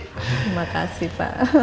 terima kasih pak